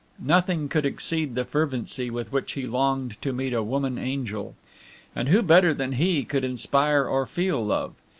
Nothing could exceed the fervency with which he longed to meet a woman angel. And who better than he could inspire or feel love?